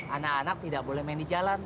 anak anak tidak boleh main di jalan